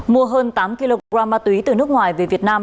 mua hơn tám kg ma túy từ nước ngoài về việt nam